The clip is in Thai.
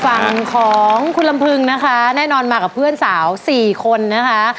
ฝั่งของคุณลำพึงนะคะแน่นอนมากับเพื่อนสาว๔คนนะคะ